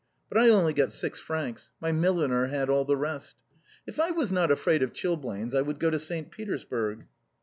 But I only got six francs; my milliner had all the rest. If I was not afraid of chilblains, I would go to Saint Petersburg."